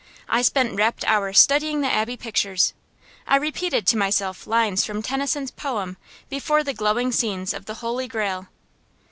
I spent rapt hours studying the Abbey pictures. I repeated to myself lines from Tennyson's poem before the glowing scenes of the Holy Grail.